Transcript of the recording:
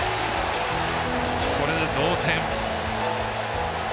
これで同点。